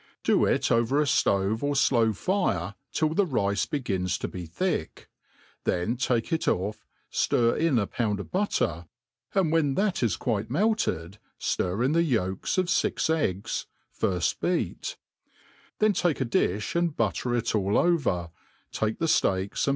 .Do H orer a ftove or Jlow fire till the rice begins to be thick } then take it oiF, flir in a pound of butter, and when thai is quite melted ftir in the yolks of fix eg|^9, firft beat \ then take a di£h and butter it all Ove^, take the ftetka and.